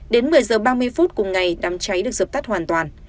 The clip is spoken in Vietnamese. đến một mươi h ba mươi phút cùng ngày đám cháy được dập tắt hoàn toàn